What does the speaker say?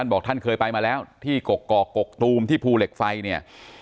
บอกเขาเคยไปมาแล้วที่กกกกตูมที่ภูเหล็งไฟ